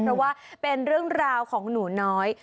เพราะว่าเป็นเรื่องราวของหนูน้อย